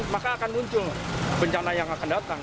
maka akan muncul bencana yang akan datang